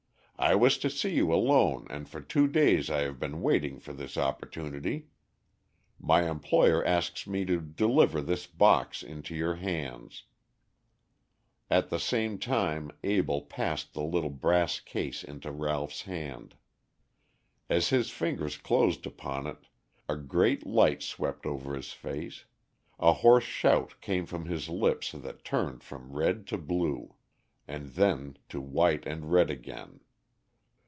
I was to see you alone and for two days I have been waiting for this opportunity. My employer asks me to deliver this box into your hands." At the same time Abell passed the little brass case into Ralph's hand. As his fingers closed upon it a great light swept over his face; a hoarse shout came from lips that turned from red to blue, and then to white and red again.